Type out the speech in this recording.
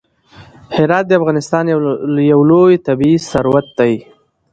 هرات د افغانستان یو لوی طبعي ثروت دی.